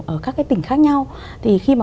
ở các cái tỉnh khác nhau thì khi mà